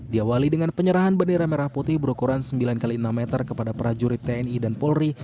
diawali dengan penyerahan bendera merah putih berukuran sembilan x enam meter kepada prajurit tni dan polri